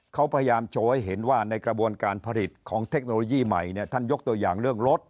เขาพยายามโชว์ให้เห็นว่าในกระบวนการผลิตของเทคโนโลยีใหม่เนี่ยท่านยกตัวอย่างเรื่องรถ